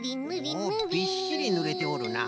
おおびっしりぬれておるな。